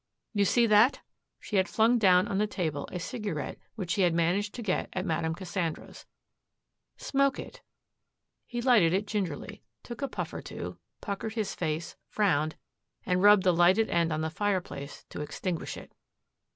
You see that!" She had flung down on the table a cigarette which she had managed to get at Madame Cassandra's. "Smoke it." He lighted it gingerly, took a puff or two, puckered his face, frowned, and rubbed the lighted end on the fireplace to extinguish it.